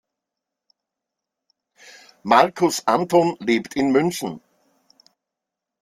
Markus Anton lebt in München.